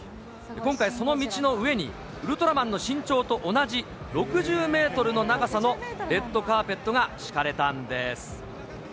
今回、その道の上にウルトラマンの身長と同じ６０メートルの長さのレッドカーペットが敷かれたんです。